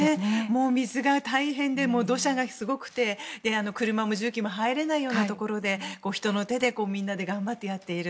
水が大変で土砂がすごくて車も重機も入れないようなところで人の手でみんなで頑張ってやっている。